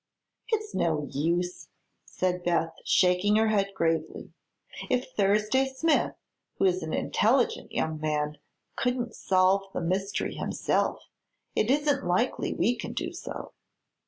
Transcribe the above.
"It's no use," said Beth, shaking her head gravely. "If Thursday Smith, who is an intelligent young man, couldn't solve the mystery himself, it isn't likely we can do so."